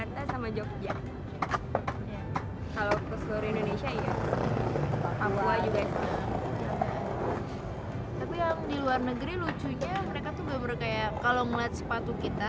tapi yang di luar negeri lucunya mereka tuh gak berkaya kalau ngeliat sepatu kita